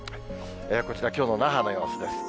こちら、きょうの那覇の様子です。